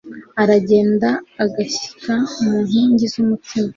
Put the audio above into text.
aragenda agashyika ku nkingi z'umutima